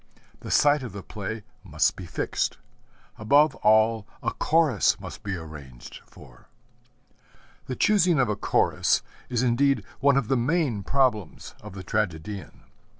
The site of the play must be fixed. Above all, a Chorus must be arranged for. The choosing of a Chorus is indeed one of the main problems of the tragedian.